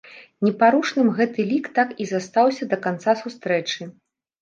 Непарушным гэты лік так і застаўся да канца сустрэчы.